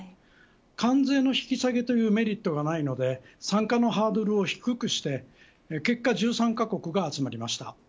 関税の引き下げというメリットがないので参加のハードルを低くして結果１３カ国が集まりました。